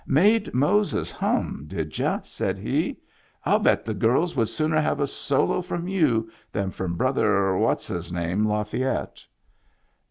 " Made Moses hum, did y'u ?" said he. " I'll bet the girls would sooner have a solo from you than from Brother what's his name Lafayette."